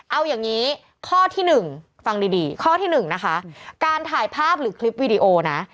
เอาอย่างนี้ข้อที่หนึ่งฟังดีดีข้อที่หนึ่งนะคะการถ่ายภาพหรือคลิปวีดีโอนะ